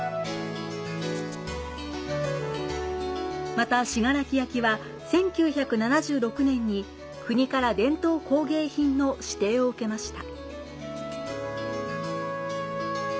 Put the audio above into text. また、信楽焼は１９７６年に国から伝統工芸品の指定を受けました。